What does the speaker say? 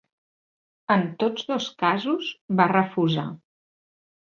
En tots dos casos va refusar.